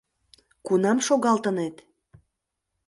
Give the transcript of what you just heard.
— Кунам шогалтынет?